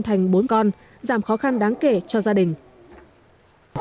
thành bốn con giảm khó khăn đáng kể cho gia đình